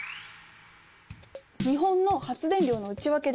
日本の発電量の内訳です。